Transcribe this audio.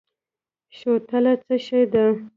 شوتله څه شی ده؟